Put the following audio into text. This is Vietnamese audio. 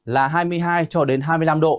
là hai mươi hai cho đến hai mươi năm độ